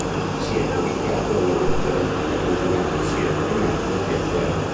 Si è dedicato alla letteratura coltivando sia il romanzo che il teatro.